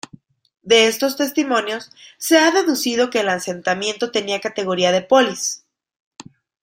De estos testimonios se ha deducido que el asentamiento tenía categoría de "polis".